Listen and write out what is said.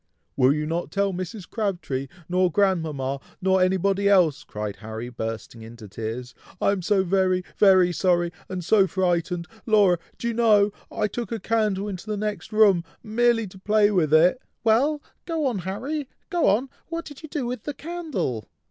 "Will you not tell Mrs. Crabtree, nor grandmama, nor anybody else?" cried Harry, bursting into tears. "I am so very, very sorry, and so frightened! Laura! do you know, I took a candle into the next room, merely to play with it." "Well! go on, Harry! go on! what did you do with the candle?"